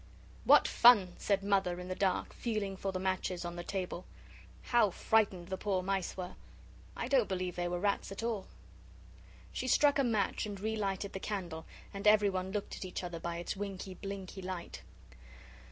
"What fun!" said Mother, in the dark, feeling for the matches on the table. "How frightened the poor mice were I don't believe they were rats at all." She struck a match and relighted the candle and everyone looked at each other by its winky, blinky light.